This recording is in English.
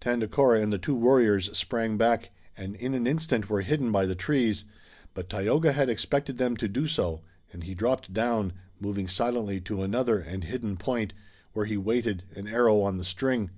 Tandakora and the two warriors sprang back and in an instant were hidden by the trees, but Tayoga had expected them to do so, and he dropped down, moving silently to another and hidden point, where he waited, an arrow on the string.